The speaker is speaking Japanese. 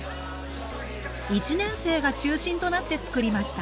１年生が中心となって作りました。